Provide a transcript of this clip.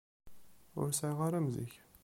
Ur sɛiɣ ara am zik.